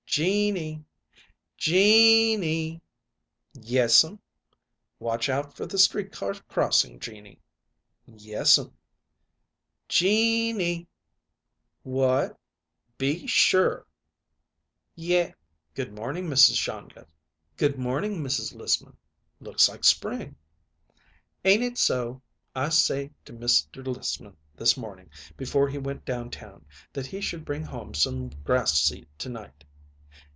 "Jeannie! Jean nie!" "Yes'm." "Watch out for the street car crossing, Jeannie." "Yes'm." "Jean nie!" "What?" "Be sure!" "Yeh." "Good morning, Mrs. Shongut." "Good morning, Mrs. Lissman. Looks like spring!" "Ain't it so? I say to Mr. Lissman this morning, before he went down town, that he should bring home some grass seed to night."